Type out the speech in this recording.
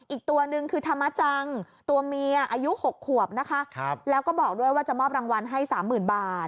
อีกตัวหนึ่งคือธรรมจังตัวเมียอายุ๖ขวบนะคะแล้วก็บอกด้วยว่าจะมอบรางวัลให้สามหมื่นบาท